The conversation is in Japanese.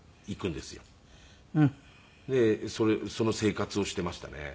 でその生活をしていましたね。